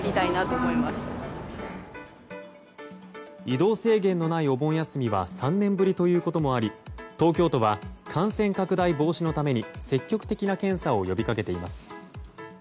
移動制限のないお盆休みは３年ぶりということもあり東京都は感染拡大防止のために積極的な検査を呼びかけています。